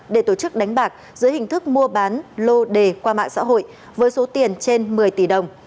để tổ chức đánh bạc dưới hình thức mua bán lô đề qua mạng xã hội với số tiền trên một mươi tỷ đồng